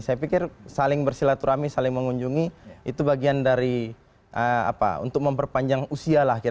saya pikir saling bersilaturahmi saling mengunjungi itu bagian dari untuk memperpanjang usia lah